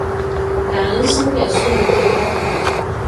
感恩新北市民的付託